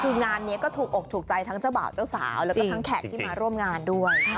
คืองานนี้ก็ถูกอกถูกใจทั้งเจ้าบ่าวเจ้าสาวแล้วก็ทั้งแขกที่มาร่วมงานด้วย